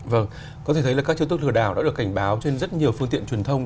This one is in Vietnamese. vâng có thể thấy là các chiêu thức lừa đảo đã được cảnh báo trên rất nhiều phương tiện truyền thông